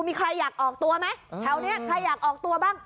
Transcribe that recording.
มีใครอยากออกตัวไหมแถวนี้ใครอยากออกตัวบ้าง